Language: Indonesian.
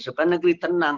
supaya negeri tenang